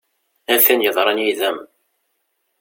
A tin yeḍran yid-m!